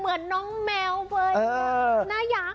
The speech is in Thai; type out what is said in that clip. เหมือนน้องแมวเว้ยหน้าอยาก